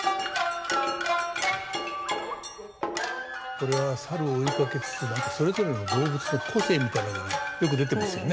これは猿を追いかけつつ何かそれぞれの動物の個性みたいなのがよく出てますよね。